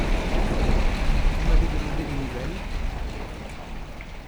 Vous m’avez demandé des nouvelles…